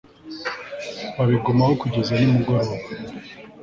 babigumaho kugeza nimugoroba